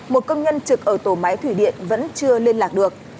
một công nhân trực ở tổ máy thủy điện vẫn chưa liên lạc được